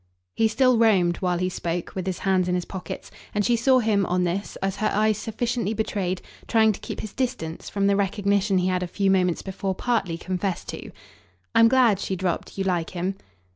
He still roamed, while he spoke, with his hands in his pockets, and she saw him, on this, as her eyes sufficiently betrayed, trying to keep his distance from the recognition he had a few moments before partly confessed to. "I'm glad," she dropped, "you like him!"